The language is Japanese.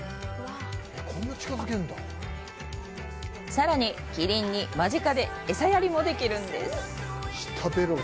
さらに、キリンに間近でエサやりもできるんです！